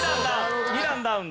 ２段ダウン。